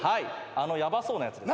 あのヤバそうなやつです。